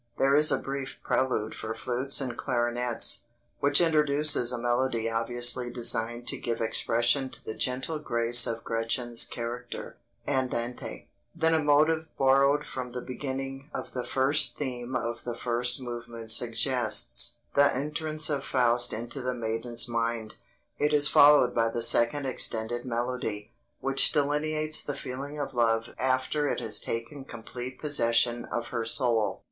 There is a brief prelude for flutes and clarinets, which introduces a melody obviously designed to give expression to the gentle grace of Gretchen's character (Andante); then a motive borrowed from the beginning of the first theme of the first movement suggests the entrance of Faust into the maiden's mind; it is followed by the second extended melody, which delineates the feeling of love after it has taken complete possession of her soul.